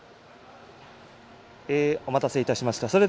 お待たせいたしました。